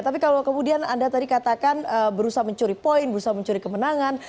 tapi kalau kemudian anda tadi katakan berusaha mencuri poin berusaha mencuri kemenangan